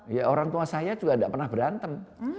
ya orang tua saya juga tidak pernah berantem